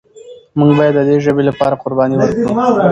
موږ باید د دې ژبې لپاره قرباني ورکړو.